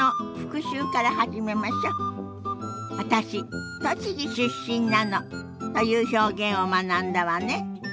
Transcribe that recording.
「私栃木出身なの」という表現を学んだわね。